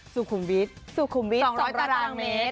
สุขุมวิทย์๒๐๐ตารางเมตร